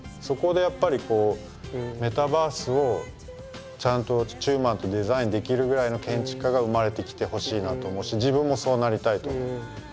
そこでやっぱりメタバースをちゃんと中馬とデザインできるぐらいの建築家が生まれてきてほしいなと思うし自分もそうなりたいと思う。